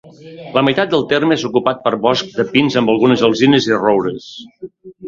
La meitat del terme és ocupat per bosc de pins amb algunes alzines i roures.